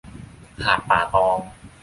หาดป่าตอง